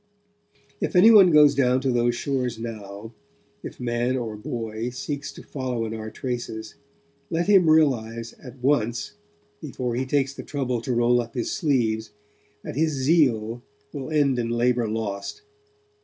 If anyone goes down to those shores now, if man or boy seeks to follow in our traces, let him realize at once, before he takes the trouble to roll up his sleeves, that his zeal will end in labour lost.